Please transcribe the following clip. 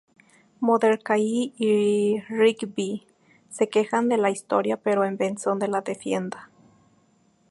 Mordecai y Rigby se quejan de la historia, pero Benson la defiende.